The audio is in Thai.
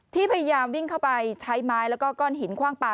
พยายามวิ่งเข้าไปใช้ไม้แล้วก็ก้อนหินคว่างปลา